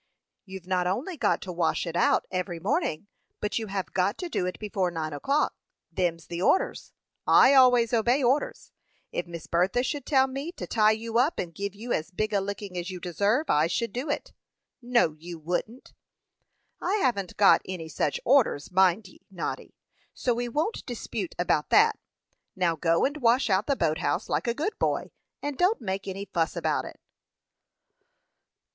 You've not only got to wash it out every morning, but you have got to do it before nine o'clock. Them's the orders. I always obey orders. If Miss Bertha should tell me to tie you up, and give you as big a licking as you deserve, I should do it." "No, you wouldn't." "I haven't got any such orders, mind ye, Noddy; so we won't dispute about that. Now, go and wash out the boat house like a good boy, and don't make any fuss about it."